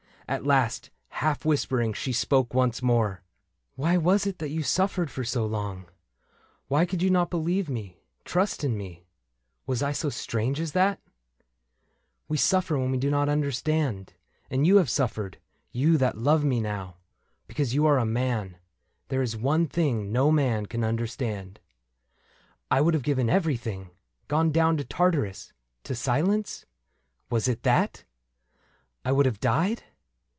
At last, half whispering, she spoke once more :'' Why was it that you suffered for so long ? Why could you not believe me — trust in me ? Was I so strange as that ?" We suffer when we do not understand ; And you have suffered — you that love me now — Because you are a man. ... There is one thing No man can understand. '' I would have given everything ?— gone down To Tartarus — to silence ? Was it that ? I would have died?